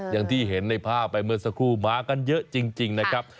อย่างที่เห็นในภาพไปเมื่อสักครู่มากันเยอะจริงนะครับ